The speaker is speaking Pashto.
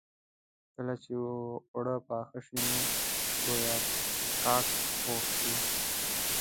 کله چې اوړه پاخه شي نو ګويا کاک پوخ شي.